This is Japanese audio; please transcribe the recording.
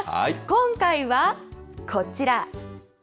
今回はこちら。